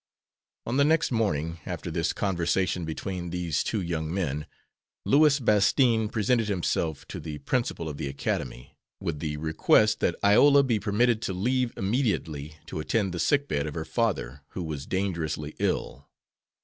On the next morning after this conversation between these two young men, Louis Bastine presented himself to the principal of the academy, with the request that Iola be permitted to leave immediately to attend the sick bed of her father, who was dangerously ill.